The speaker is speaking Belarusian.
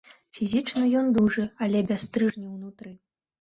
Фізічна ён дужы, але без стрыжня ўнутры.